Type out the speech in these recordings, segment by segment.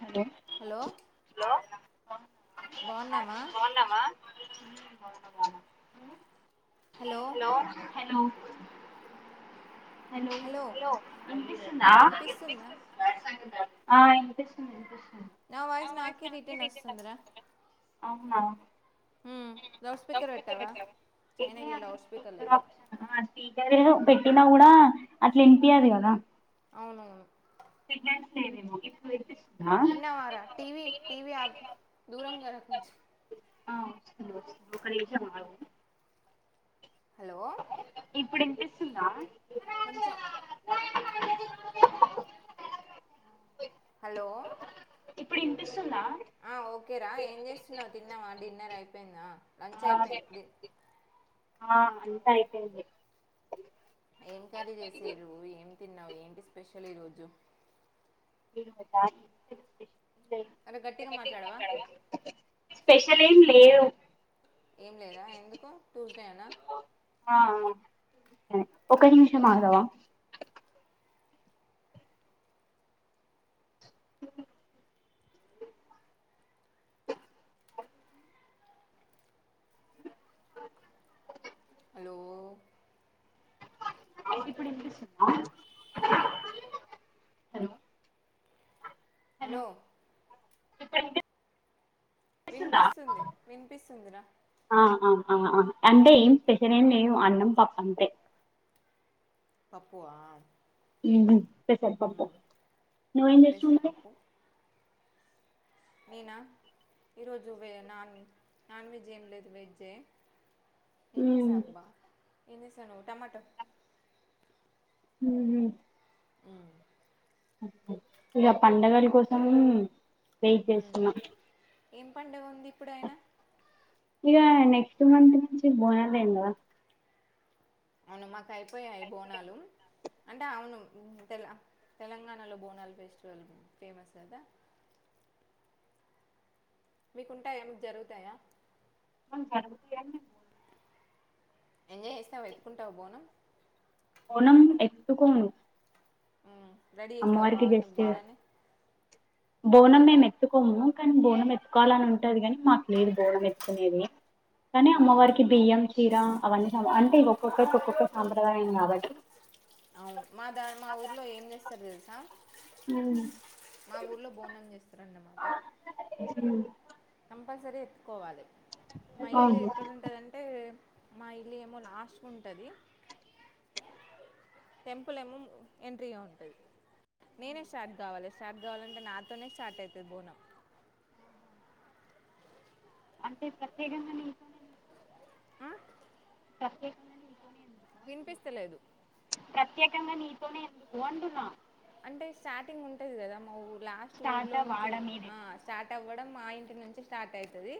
Hello hello బాగున్నావా బాన్నావా hello hello hello విన్పిస్తుందా వినిపిస్తుందా ఆ ఇన్పిస్తుంది నా వాయిస్ నాకే రిటన్ వస్తుంద్ర అవునా లౌడ్ స్పీకర్ ఎన్ని పెట్టావా చైనా ఇలా గంటలకు లౌడ్ స్పీకర్ లేదు కొస్తదా నా పెట్టినా గూడా అట్ల ఇన్పియదు గదా అవునవును సిగ్నల్స్ లేవేమో ఇప్పుడినిపిస్ తిన్నవారా టీ వీ టీ వీ దూరంగారా కొంచెం ఆ వస్తుంది వస్తుంది ఒక నిమిషం ఆగు హలో ఇప్పుడు ఇనిపిస్తుందా కొంచం ఇప్పుడు ఇనిపి ఆ ఓకేరా ఏం చేస్తున్నావు తిన్నావా డిన్నర్ అయిపోయిందా లంచ్ అయిపోయింది ఆ అంత అయిపోయింది ఏం కర్రీ [unintelligible] ఏం తిన్నావు ఏంటి స్పెషల్ ఈ రోజు అరే గట్టిగా మాట్లాడవా స్పెషల్ ఏం లేవ్ ఏం లేదా ఎందుకు టూస్డేన ఆ ఒక నిమిషం ఆగవ హలో ఇప్పుడు ఇనిపిస్తుంద హలో [unintelligible] వినిపిస్తుందా వినిపిస్తుంది వినిపిస్తుందిరా ఆ ఆ ఆ అంటే ఏం స్పెషల్ లేవ్ అన్నం పప్పు అంతే పప్పు ఆ స్పెషల్ పప్పు [unintelligible] మీన ఈరోజు నాన్ నాన్ వెజ్ ఏం లేదు వెజ్జే ఎంది మరి ఉమ్ సాబ్బ [unintelligible] హు హు అ ఇగ పండగల కోసం వెయిట్ చేస్తున్న ఏం పండుగ ఉంది ఇప్పుడుయినా ఇక నెక్స్ట్ మంత్ నుంచి బోనాల [inaudible] అవును మాకు అయిపోయాయి బోనాలు అంటే అవును [unintelligible] తెలంగాణలో బోనాలు ఫెస్టివల్ ఫేమస్ కదా మీకుంటాయా మీకు జరుగుతాయ [unintelligible] ఎంజాయ్ చేస్తావు వెత్తుకుంటావ [unintelligible] బోనం ఎతుకోను రెడీ చేస్తావ బాగనే బోనాన్ని బోనం మేము ఎత్తుకోము కానీ బోనం ఎత్తుకోవాలని ఉంటది కాని మాకు లేదు బోనం ఎత్తుకునేది కానీ అయ్యో అవునా అమ్మవారికి బియ్యం చీర అవన్నీ అంటే ఒక్కొక్కటికి ఒక్కొక్క సాంప్రదాయం కాబట్టి అవును మా దా మా ఊర్లో ఏం చేస్తారో తెలుస ఉమ్ మా ఊర్లో బోనం చేస్తారన్నమాట ఉమ్ కంపల్సరీ ఎత్తుకోవాలి మా ఇల్లు అవును ఎక్కదుంటదంటే మా ఇల్లు ఏమో లాస్ట్ ఉంటది టెంపుల్ ఏమ్మో ఎంట్రి లో ఉంటది నేనే స్టార్ట్ కావాలి స్టార్ట్ కావాలంటే నాతోనే స్టార్ట్ అయితది బోనం ఆహా అంటే ప్రత్యేకంగా నేను ఆ? ప్రత్యేకంగా ఎందుకు అంటున్నా వినిపిస్తలేదు ప్రత్యేకంగా నీతోనే ఎందుకు అంటున్న అంటే స్టార్టింగ్ ఉంటది కదా మా ఊళ్ళ లాస్ట్ స్టార్ట్ ఊర్లో నుంచి వాడ మీదేనా స్టార్ట్ అవ డం మా ఇంటి నుంచి స్టార్ట్ అవుతుంది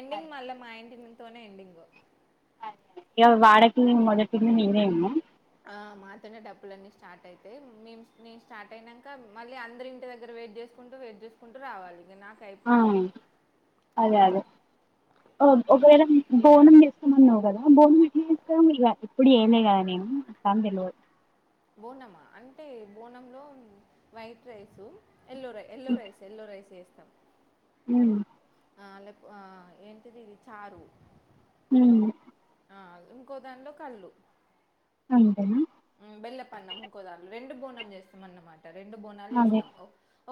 ఎండింగ్ అదే మళ్ళ అదే మా ఇంటి తనే ఎండింగ్ ఏ వాడక మొదటి నుండీ నేనే ఆ మాతోనే డప్పులన్నీ స్టార్ట్ అయితాయి మే నే స్టార్ట్ అయినాక మళ్ళీ అందరి ఇంటి దగ్గర వెయిట్ చేసుకుంటూ వెయిట్ చేసుకుంటూ రావాలి ఇక నాకు ఆ అయిపోతుంది అదే అదే ఒకవేళ బోనం ఇస్తామన్నావు కదా బోనం ఎట్ల ఇస్తావు ఇప్పుడు చేయాలే కదా నేను నాకు తెలువదు బోనమ అంటే బోనంలో white rice yellow rice yellow rice yellow rice అ అ ఆన్లకు ఏంటిది చారు ఉం ఆ ఇంకో దానిలో కల్లు అంతే బెల్లపన్నం ఇంకోదాంట్లో రెండు బోనం చేస్తాం అన్నమాట రెండు బోనాలు అదే చేస్తాం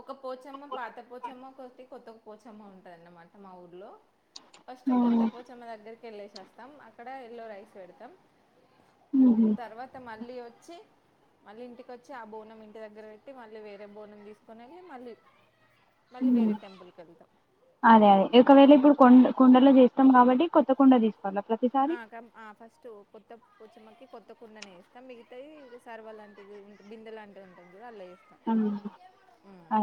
ఒక పోచమ్మ పాత పోచమ్మ కొత్త పోచమ్మ ఉంటది అన్నమాట మా ఊర్లో ఫస్ట్ ఆ కొత్త పోచమ్మ దగ్గరికి వెళ్ళేసేస్తాం అక్కడ ఎల్లో రైస్ పెడతాం ఉహు తర్వాత మళ్ళీ వచ్చి మళ్ళీ ఇంటికి వచ్చి ఆ బోనం ఇంటి దగ్గర పెట్టి మళ్ళీ వేరే బోనం తీసుకుని వెళ్లి మళ్ళీ మళ్ళీ వేరే టెంపుల్కి వెళ్తాం అదే అదే ఒకవేళ ఇప్పుడు కొండ కుండలో చేస్తాం కాబట్టి కొత్త కుండ తీసుకోవాలి ఆ ఫస్ట్ కొత్త పోచమ్మకి కొత్త కుండనే వేస్తా మిగతాయి సరవా లాంటివి బిందె లాంటిది చూడ అలా వేస్తాం ఉమ్. అ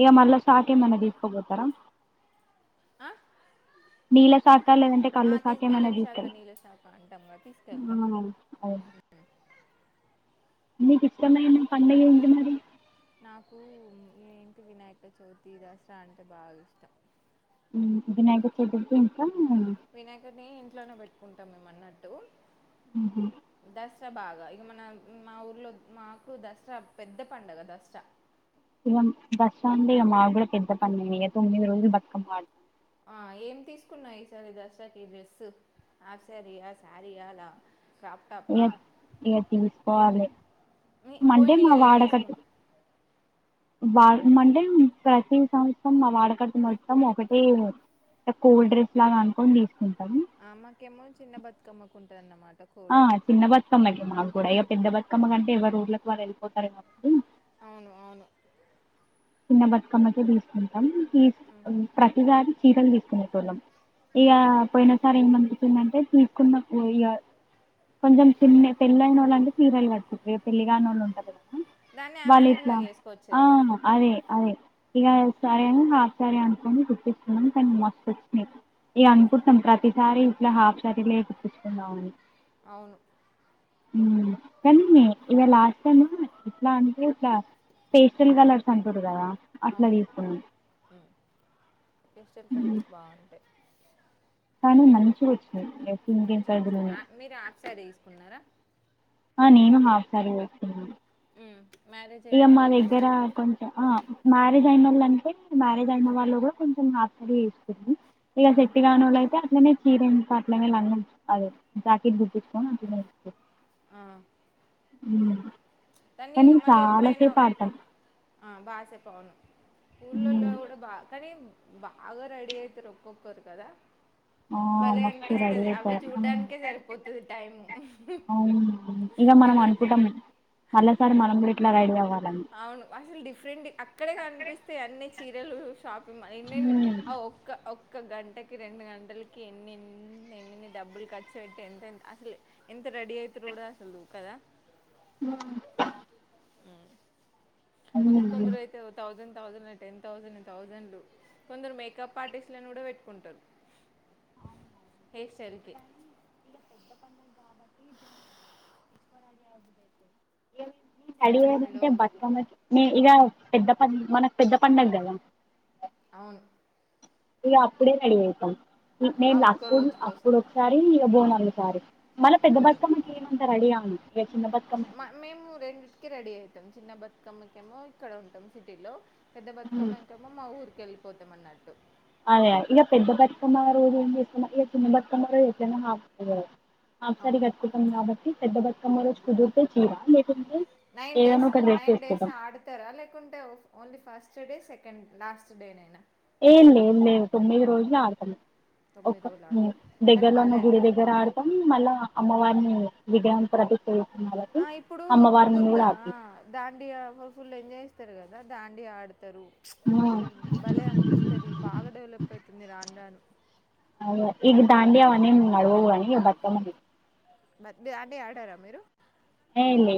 ఇక మళ్ళా సా ఇంకా ఏమన్నా తీసుకోపోతారా ఆ నీలకు ఇస్త లేదంటే ఆ కల్లు సాక తీస్ బెల్లం శాఖ ఏమనేదిస్తారా నీళ్ళ శాఖ అంటాం కదా తీసుకెళ్తాం అ నీకు ఇష్టమనా పండగ ఏంటి మరి నాకు ఏంటి వినాయక చవితి దసరా అంటే బాగా ఇష్టం వినాయకుడు తో వినాయకుడిని ఇంట్లోనే పెట్టుకుంటాం మేము అన్నట్టు ఉ దసరా బాగా ఇక మన మా ఊర్లో మాకు దసరా పెద్ద పండగ దసరా ఇవ దసర మా కూడా పెద్ద పండగే తొమ్మిది రోజులు బతుకమ్మ ఆడుతాం ఆ ఏం తీసుకున్నవు ఈసారి దసరాకి ఈ డ్రెస్ హాఫ్ సారీయా శారీయా అలా క్రాప్ ఇగ టాపా ఇగ తీసుకోవాలి మండే పోయిన మా ఇయర్ ఏం వాడకి తీసుకున్నా వా మంటే ప్రతి సంవత్సరం మా వాడకత మొత్తం ఒకటే అ కూల్ డ్రింక్స్ లాగా అనుకొని తీసుకుంటామ్ ఆ మాకేమో చిన్న బతుకమ్మకు ఉంటందన్నమాట ఆ చిన్న బతుకమ్మకి మాకూడా ఇగ పెద్ద బతుకమ్మ అంటే ఎవరు ఊడ్లకు వాళ్ళు వెళ్ళిపోతారు కాబట్టి అవును అవును చిన్న బతుకమ్మకె తీసుకుంటాం తీస్ ప్రతిసారి చీరలు తీసుకునేటోళ్ళం ఇగ ఉమ్. పోయిన సార్ ఏమనిపించిందంటే తీసుకున్న ఇ అ కొంచెం చిన్న పెళ్లియినోళు అంటే చీరలు కడుకుంట్రు పెళ్లిగాని వాళ్ళు ఉంటరు కదా దాన్ని వాళ్ళు యాఫ్సారి ఇట్లా లాగా వేసుకోవచ్చు ఆ కదా అదే అదే ఇగ ఉమ్ సరే అని హాఫ్ శారీ అనుకోని కుట్టించున్నాం కానీ మస్త్ వచ్చినాయి ఇ అనుకుంటాం ప్రతిసారి ఇట్లా హాఫ్ శారీ లే కుట్టించుకుందామని అవును ఉమ్ కాని ఇల లాస్ట్ టైమ్ ఇట్లా అంటే ఇట్లా పేస్టల్ కలర్స్ అంటురు కదా అట్లా అవును తీసుకుని పిస్టల్ కలర్స్ బాగుంటాయి తాని మంచిగోచ్ మంచి వచ్చినాయి ఆ మీరు ఆఫ్ శారీ ఎసుకున్నారా ఆ నేను మాసారి వేసుకున్నాను ఉ ఇగ మా దగ్గర కొంచెం ఆ మ్యారేజ్ అయిన వాళ్ళంటే మ్యారేజ్ అయిన వాళ్ళు కూడా కొంచెం హాఫ్ శారీ వేసుకుండ్రు ఇగ ఆ, సెట్టుకాన్నోళ్లయితే అట్లనే చీర ఇంక అట్లనే లంగం అదె జాకెట్ గుట్టించుకొని అట్లనే ఆ ఉమ్ దాన్ని కానీ మళ్ళీ ఎప్పుడైనా చాలాసేపు ఆడతం ఆ బాగా చెప్ప అవును ఊళ్ళల్లో హ్మ్ కూడా బా కని బాగా రెడీ అయితారు ఒక్కొక్కరు కదా ఆ బలే మస్తు రెడీ అనిపిస్తది అవి అవుతారు చూడ్డానికే సరిపోతది టైము ఎవరి ముకుటం మల్లసారి మనం కూడ ఇట్ల రెడీ అవ్వాలి అవును అసలు డిఫరెంట్ అక్కడే కనిపిస్తే అన్ని చీరలు షాపింగ్ మ ఎన్నెన్ని ఉమ్ ఆ ఒక్క ఒక్ ఒక గంటకి రెండు గంటలకి ఎన్నిన్ ఎ డబ్బులు ఖర్చు పెట్టి ఎంత అసలు ఎంత రెడీ అయితరు కూడ అసలు కదా ఉ కొందరు కొందరయితే థౌసండ్ థౌసండ్ టెన్ థౌసండ్ థౌసండ్లు కొందరు మేకప్ ఆర్టిస్ట్ లను కూడా పెట్టుకుంటారు అవునవును హెయిర్ స్టైల్‌కి. కానీ ఇలా పెద్ద పండలు కాబట్టి [unintelligible] తడి హలో! వెయ్యలంటే బట్టమ్మకి ఇగ పెద్ద ప మనకు పెద్ద పండగ కదా అవును. ఇగ అప్పుడే రెడీ అయితాం నే ఆ నేను ఒక్క అప్పుడు రోజు అప్పుడు కోసం. ఒకసారి ఇగ బోనాలు ఒకసారి మల్లా పెద్ద బతుకమ్మకి ఏం అంతా రెడీ కాం మ మేము రెండిటికి రెడీ అవుతాం చిన్న బతుకమ్మకేమో ఇక్కడ ఉంటాం సిటీలో పెద్ద ఉమ్, బతుకమ్మకేమో మా ఊరికి వెళ్ళిపోతాం అన్నట్టు అదే ఇగ పెద్ద బతుకమ్మ రోజు ఏం జెస్తాం ఇగ చిన్న బతుకమ్మ రోజు ఎట్లనో హాఫ్ శారీ హాఫ్ సారి అవును కట్టుకుంటం కాబట్టి పెద్ద బతుకమ్మో రోజు కుదిరితే చీర లేకుంటే నైన్ డేస్ ఏదైనా ఒక డ్రెస్ నైన్ డేస్ వేసుకుంటాం ఆడతారా లేకుంటే only first day second last day నేనా ఏ లే లే తొమ్మిది రోజులు ఆడతాం ఒక తొమ్మిది రోజులు ఆడు కానీ దగ్గరలో ఉన్న భలే గుడి దగ్గర ఆడతాం మళ్లా అమ్మవారిని విగ్రహం ప్రతిష్ట చేస్ ఆ ఇప్పుడు దుర్గా ఆ దాండియా ఫుల్ ఎంజాయ్ చేస్తారు కదా దాండియా ఆడు తరు అసలు భలే అనిపిస్తది బాగా డెవలప్ అయితుంది రానురాను అవును ఈ దాండియా అవన్ని ఏం నడువవు కాని ఇగా బతుకమ్మ మ దాండియా ఆడారా మీరు ఏ లే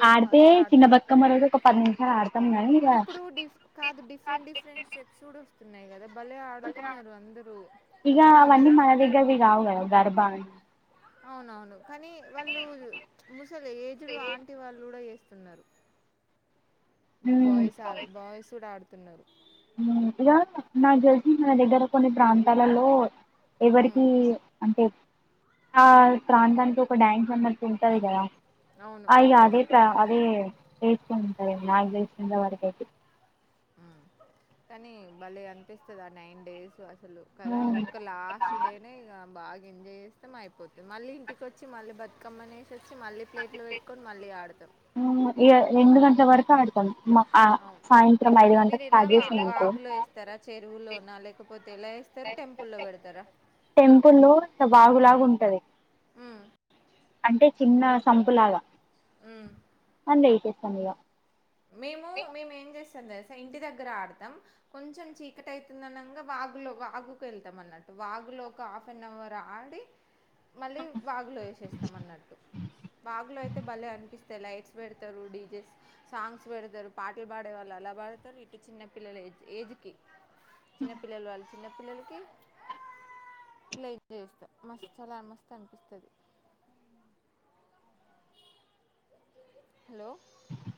ఏ ఆడితే మస్తు చిన్న ఆడుతారు బతుకమ్మ రోజు ఒక పది నిమిషాలు ఆడు ఇప్పుడు డిఫ కాదు డిఫరెంట్ డిఫరెంట్ స్టెప్స్ కూడా వస్తున్నాయి కదా భలే ఆడుతున్నారు అందరూ ఇగ కదా వాళ్ళ అవన్నీ మన దగ్గరవి కావు గదా గర్భా అవునవును కానీ వాళ్ళు ముసలి ఏజుడు ఆంటి వాళ్ళు కూడా చేస్ తున్నరు ఉమ్, బాయ్స్ ఆ బాయ్స్ కూడా ఆడుతున్నారు ఉమ్ ఇగ నాకు తెలిసి మన దగ్గర కొన్ని ప్రాంతాల్లలో ఎవరికి ఉమ్, అంటే ఆ ప్రాంతానికి ఒక డ్యాన్స్ అన్నట్టు ఉంటది కదా అవును అయ్యా అదే ప్ర అదే ఏస్తు ఉంటారు నాకు తెలిసినంత వరకు అయితే ఉమ్ కానీ బలే అనిపిస్తది అ నైన్ డేస్ అసలు కదా ఒక్క లాస్ట్ డేనే ఇగా బాగా ఎంజాయ్ చేస్తాం అయిపోతది మళ్ళీ ఇంటికి వచ్చి మళ్ళీ బతుకమ్మని తెచ్చి మళ్ళీ ప్లేట్ల పెట్టుకొని మళ్ళీ ఆడతాం అంతవరకు ఆడతం అవును మీరు ఎలా వా చేసినం అనుకో వాగులో ఏస్తారా చెరువులోనా లేకపోతే ఎలా ఏ స్తారు టెంపుల్లో పెడతారా టెంపుల్ లో ఇల వాగులాగా ఉం ఉమ్ అంటే చిన్న సంపులాగా ఉమ్ అండ్ల ఏసేస్తం ఇగా మేము మేము ఏం చేస్తాం తెలు ఇంటి దగ్గర ఆడతాం కొంచెం చీకటి అయితుంది అనంగా వాగులో వాగుకు ఎళ్తాం అన్నట్టు వాగు లో ఒక హాఫ్ అన్ అవర్ ఆడి మళ్ళీ వాగులో వేసేస్తాం అన్నట్టు వాగులో అయితే భలే అనిపిస్త ది లైట్స్ బెడుతరు డిజే స్ సాంగ్స్ పెడుతరు పాటలు పాడేవాళ్ళు అలా పాడతారు ఇటు చిన్నపిల్లల ఏ ఏజ్కి చిన్నపిల్లలు వాళ్ళు చిన్నపిల్లలకి లైక్ చేస్తా మస్త్ చాలా మస్తు అనిపిస్తది హలో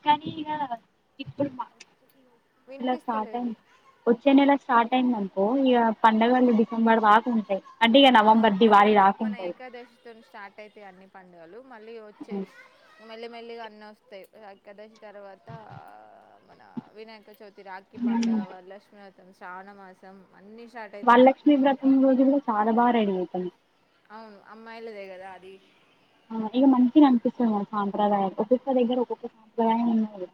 కానీ ఇగా ఇప్పుడు మా వచ్చే నెల స్టార్ట్ వినిపిస్తలేదు అయింది వచ్చే నెల స్టార్ట్ అయింది ఇక పండుగలు డిసెంబర్ దాకుంటాయి అంటే ఇక నవంబర్ దివాళి దాకుంటది దశి తోని స్టార్ట్ అయితాయి అన్ని పండుగలు మళ్లీ వచ్చే మళ్ళీ మెల్లగా అన్నీ వస్తాయి ఏకాదశి తర్వాత మన వినాయక చవి తి రాకిీ హ్మ్ పండగ వరలక్ష్మి వ్రతం శ్రావణ మాసం అన్నీ స్టార్ట్ అవుతాయి ఇక వరలక్ష్మి వ్రతం రోజు కూడా చాలా బాగా రెడి అయితం అవును అమ్మాయిలదే కదా అది ఆ ఇగా మంచిగా అనిపిస్తుంది మన సాంప్రదాయం ఒక్కొక్క దగ్గర ఒక్కొక్క సాంప్రదాయం ఉన్నాయి కదా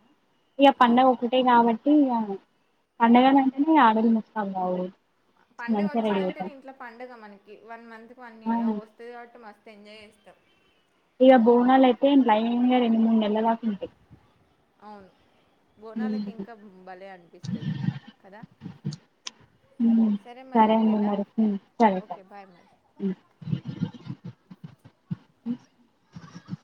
ఇక పడుగ అవును ఒకటే కాబట్టి ఇక పండగలు అంటేనే ఆడలు ముస్తం కావుడు పండగ మంచిగా రెడీ వచ్చిందంటేనే అవుతాం ఇంట్లో పండగ మనకి వన్ మంత్ కి వన్ ఇ ఆ వస్తుంది కాబట్టి మస్తు ఎంజాయ్ చేస్తాం ఇగ బోనాలు అయితే [unintelligible] రెండు మూడు నెల దాకా ఉంటాయి అవును బోనాలకి ఉమ్. ఇంకా భలే అనిపిస్తది కదా ఉ మరి సరే అండి ఓకేనా మరి ఉ సరే ఓకే సరి బాయ్ మరి ఉ అ